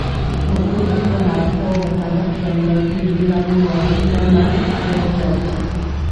هغوی د خپلو اړتیاوو مطابق د اندازې بېلابېل واحدونه منځته راوړل.